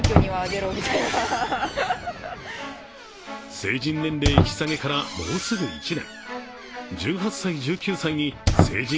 成人年齢引き下げからもうすぐ１年。